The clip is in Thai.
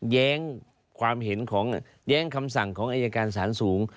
แย้งความเห็นของแย้งคำสั่งของอายการสารสูง